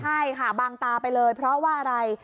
ใช่ค่ะบางตาไปเลยเพราะว่าอะไร